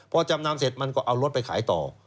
พอจำนำเสร็จมันก็เอารถไปขายต่อ